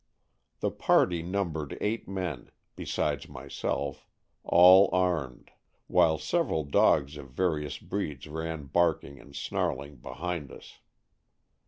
The party numbered eight men, be sides myself, all armed ; while several dogs of various breeds ran barking and snarling behind us.